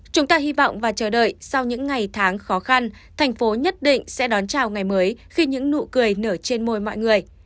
chúng ta hy vọng và chờ đợi sau những ngày tháng khó khăn thành phố nhất định sẽ đón chào ngày mới khi những nụ cười nở trên môi mọi người